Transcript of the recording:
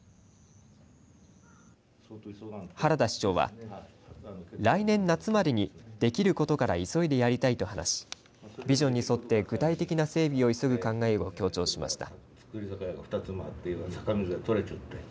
原田市長は来年夏までにできることから急いでやりたいと話しビジョンに沿って具体的な整備を急ぐ考えを強調しました。